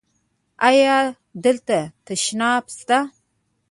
ایا دلته تشناب شته؟